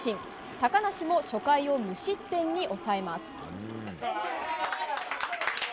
高梨も初回を無失点に抑えます。